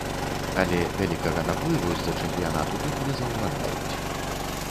Але вялікага наплыву з-за чэмпіянату тут не заўважаюць.